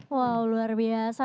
wow luar biasa